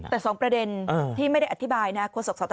แต่๒ประเด็นที่ไม่ได้อธิบายนะครับครัวศพสตชก็คือ